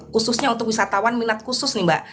khususnya untuk wisatawan minat khusus nih mbak